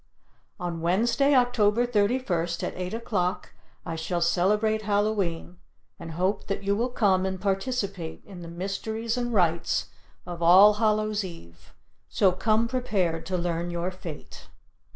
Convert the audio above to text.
On Wednesday, Oct. 31st, at 8 o'clock, I shall celebrate Hallow e'en and hope that you will come and participate in the mysteries and rites of All Hallow's Eve, so come prepared to learn your fate.